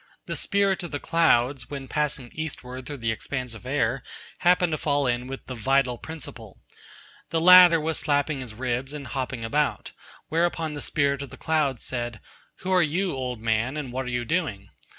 The Spirit of the Clouds, when passing eastward through the expanse of air, happened to fall in with the Vital Principle. The latter was slapping his ribs and hopping about: whereupon the Spirit of the Clouds said, 'Who are you, old man, and what are you doing?'